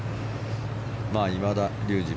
今田竜二